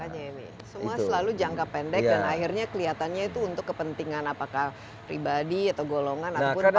semua selalu jangka pendek dan akhirnya kelihatannya itu untuk kepentingan apakah pribadi atau golongan ataupun